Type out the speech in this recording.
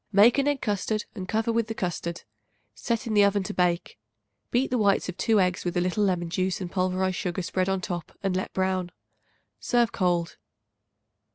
Make an egg custard and cover with the custard; set in the oven to bake. Beat the whites of 2 eggs with a little lemon juice and pulverized sugar spread on the top and let brown. Serve cold.